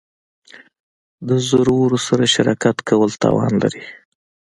د زورورو سره شراکت کول تاوان لري.